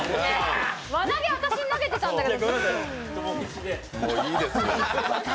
輪投げ、私に投げてたんだけど。